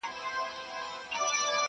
انساني احساسات زخمي کيږي سخت